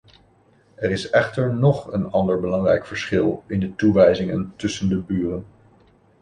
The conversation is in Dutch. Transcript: Er is echter nog een ander belangrijk verschil in de toewijzingen tussen de buren.